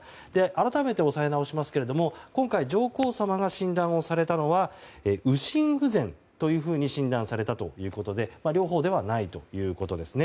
改めて押さえ直しますが今回、上皇さまが診断されたのは右心不全というふうに診断されたということで両方ではないということです。